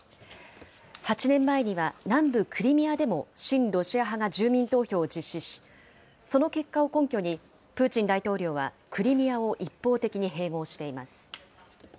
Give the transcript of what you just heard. ８年前には、南部クリミアでも親ロシア派が住民投票を実施し、その結果を根拠に、プーチン大統領はクリミアを一方的に併合しています。